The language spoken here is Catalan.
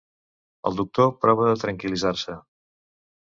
El doctor prova de tranquil·litzar-se.